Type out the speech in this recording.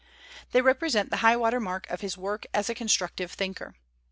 They represent the high water mark of his work as a construc tive thinker.